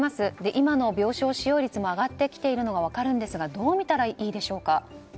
今も病床使用率も上がってきているのが分かるんですがどう見たらいいでしょうか。